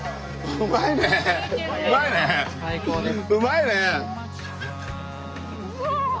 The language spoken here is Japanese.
うまいね。わ。